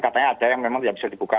katanya ada yang memang tidak bisa dibuka